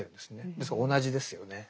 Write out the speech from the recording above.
ですから同じですよね。